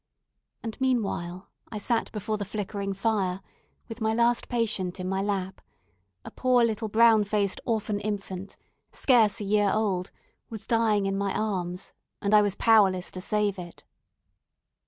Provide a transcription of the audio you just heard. And, meanwhile, I sat before the flickering fire, with my last patient in my lap a poor, little, brown faced orphan infant, scarce a year old, was dying in my arms, and I was powerless to save it.